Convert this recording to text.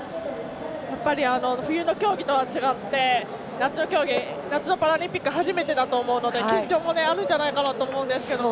やっぱり冬の競技とは違って夏のパラリンピックは初めてだと思うので緊張もあるんじゃないかなと思うんですけれども。